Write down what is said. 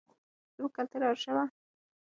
زموږ کلتور او ژبه زموږ د ملي هویت اصلي نښې دي.